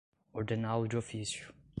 ordená-lo de ofício